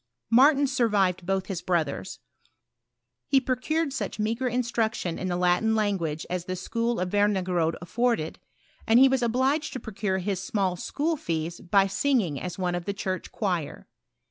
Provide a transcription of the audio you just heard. Martin survived both his brothers. He procured euch meagre tustruction in the Latin language as the school of Wemigerode afforded, and he was obliged to procure his small school fees by singing as one of the church choir.